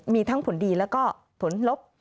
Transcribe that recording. มีทั้งผลดีแล้วก็ผลลบ